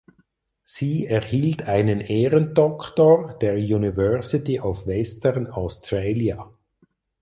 Sie erhielt einen Ehrendoktor der University of Western Australia.